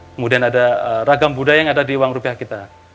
kemudian ada ragam budaya yang ada di uang rupiah kita